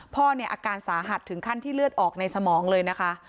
พ่อเนี่ยอาการสาหัสถึงขั้นที่เลือดออกในสมองเลยนะคะ